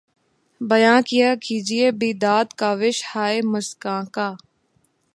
بیاں کیا کیجیے بیداد کاوش ہائے مژگاں کا